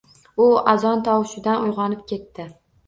U azon tovushidan uygʼonib ketdi.